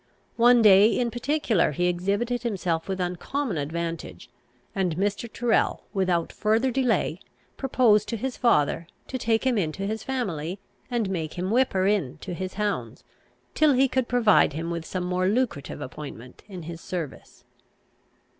One day in particular he exhibited himself with uncommon advantage; and Mr. Tyrrel without further delay proposed to his father, to take him into his family, and make him whipper in to his hounds, till he could provide him with some more lucrative appointment in his service.